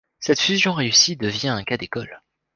Cette fusion réussie devient un cas d'école.